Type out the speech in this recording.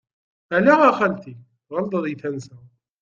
Ala a xalti, tɣelṭeḍ di tansa.